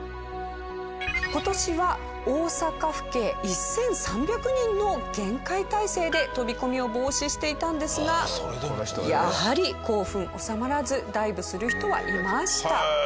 今年は大阪府警１３００人の厳戒態勢で飛び込みを防止していたんですがやはり興奮収まらずダイブする人はいました。